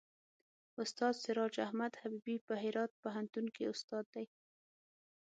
استاد سراج احمد حبیبي په هرات پوهنتون کې استاد دی.